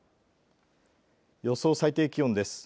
予想最低気温です。